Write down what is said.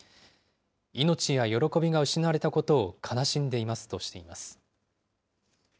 命や喜びが失われたことを悲しんでいますとしています。